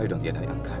i don't get i angkat